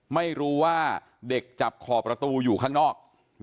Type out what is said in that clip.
ไม่รู้ว่าเด็กจับขอบประตูอยู่ข้างนอก